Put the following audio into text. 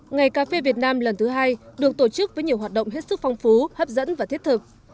ngày cà phê việt nam lần thứ hai được tổ chức với nhiều hoạt động hết sức phong phú hấp dẫn và thiết thực